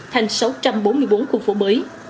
thành sáu trăm bốn mươi bốn khu phố mới